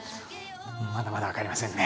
まだまだ分かりませんね